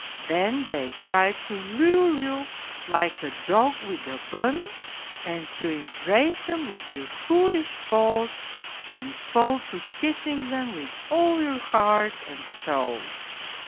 Then they try to lure you like a dog with a bun, and you embrace them with your foolish paws and fall to kissing'them with all your heart and soul.